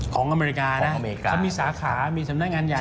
ของอเมริกานะเขามีสาขามีสำนักงานใหญ่